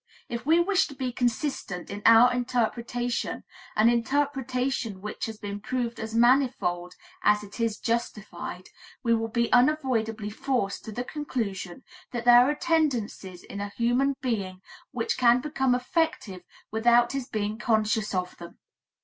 If we wish to be consistent in our interpretation, an interpretation which has been proved as manifold as it is justified, we will be unavoidably forced to the conclusion that there are tendencies in a human being which can become effective without his being conscious of them.